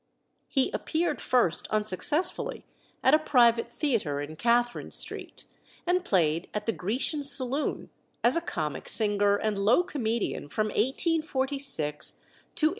He appeared first, unsuccessfully, at a private theatre in Catherine Street, and played at the Grecian Saloon as a comic singer and low comedian from 1846 to 1849.